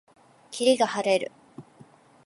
霧が晴れる。